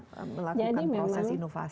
dan melakukan proses inovasi